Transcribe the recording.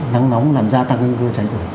nắng nóng làm ra tăng nguy cơ cháy rừng